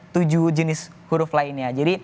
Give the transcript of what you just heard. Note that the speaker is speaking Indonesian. tujuh jenis huruf lainnya jadi